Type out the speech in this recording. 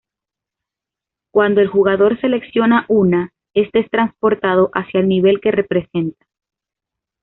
Cuando el jugador selecciona una, este es transportado hacia el nivel que representa.